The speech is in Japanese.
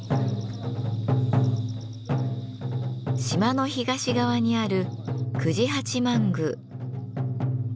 島の東側にある久知八幡宮。